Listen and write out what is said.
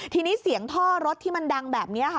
ทีนี้เสียงท่อรถที่มันดังแบบนี้ค่ะ